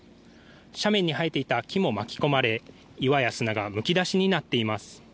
斜面に生えていた木も巻き込まれ岩や砂がむき出しになっています。